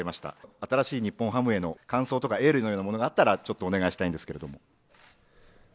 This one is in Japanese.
新しい日本ハムへの感想とかエールのようなものがあったら、ちょっとお願いしたいんですけれども。